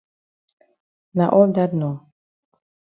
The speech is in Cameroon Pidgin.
Na all dat nor.